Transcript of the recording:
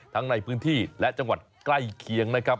ทั้งในพื้นที่และจังหวัดใกล้เคียงนะครับ